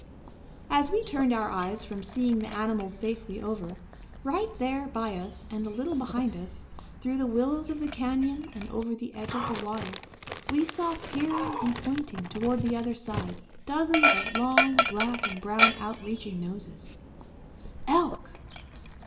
As we turned our eyes from seeing the animals safely over, right there by us and a little behind us, through the willows of the canyon and over the edge of the water, we saw peering and pointing toward the other side dozens of long black and brown outreaching noses. Elk!